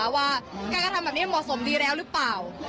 ว่าการกระทำแบบนี้เหมาะสมดีแล้วหรือเปล่า